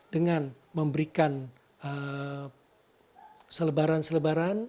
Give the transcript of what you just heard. dengan memberikan selebaran selebaran